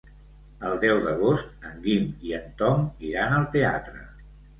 El deu d'agost en Guim i en Tom iran al teatre.